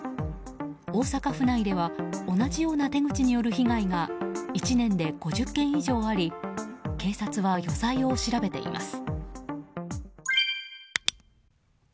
大阪府内では同じような手口による被害が１年で５０件以上あり警察は余罪を調べています。